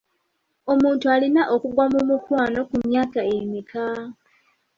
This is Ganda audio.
Omuntu alina okugwa mu mukwano ku myaka emeka?